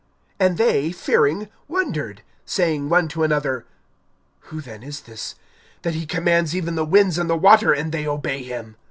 And they, fearing, wondered; saying one to another: Who then is this, that he commands even the winds and the water, and they obey him!